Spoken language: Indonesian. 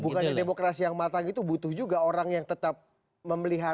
bukan di demokrasi yang matang itu butuh juga orang yang tetap memelihara